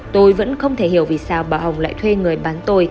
tôi vẫn không thể hiểu vì sao bà hồng lại thuê người bán tôi